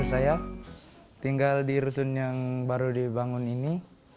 saya tinggal di rusun yang baru dibangun ini